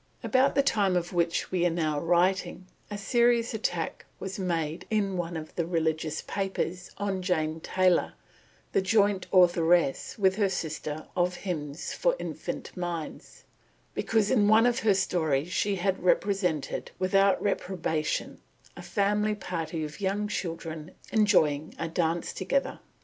About the time of which we are now writing, a serious attack was made in one of the religious papers upon Jane Taylor, the joint authoress with her sister of Hymns for Infant Minds, because in one of her stories she had represented, without reprobation, a family party of young children enjoying a dance together.